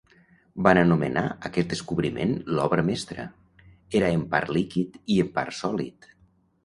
Van anomenar aquest descobriment l'obra mestra; era en part líquid i en part sòlid.